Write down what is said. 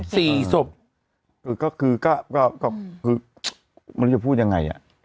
สี่ศพสี่สบก็คือก็มันจะพูดยังไงอ่ะ